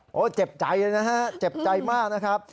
โอ้โหเจ็บใจเลยนะฮะเจ็บใจมากนะครับ